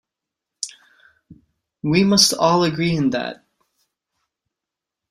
We must all agree in that.